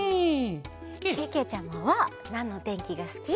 けけちゃまはなんのてんきがすき？